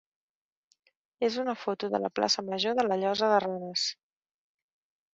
és una foto de la plaça major de la Llosa de Ranes.